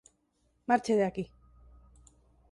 Marche de aquí.